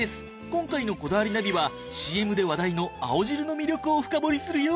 今回の『こだわりナビ』はＣＭで話題の青汁の魅力を深掘りするよ！